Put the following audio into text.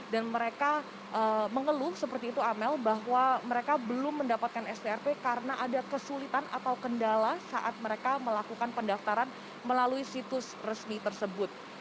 dan mereka mengeluh seperti itu amel bahwa mereka belum mendapatkan strp karena ada kesulitan atau kendala saat mereka melakukan pendaftaran melalui situs resmi tersebut